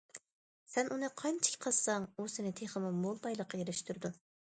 سەن ئۇنى قانچىكى قازساڭ، ئۇ سېنى تېخىمۇ مول بايلىققا ئېرىشتۈرىدۇ.